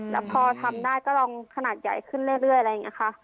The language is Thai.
แล้วพอทำได้ก็ลองขนาดใหญ่ขึ้นเรื่อยอะไรอย่างนี้ค่ะ